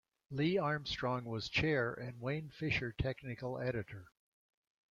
Lee Armstrong was chair and Wayne Fisher technical editor.